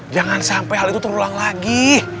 jangan sampai hal itu terulang lagi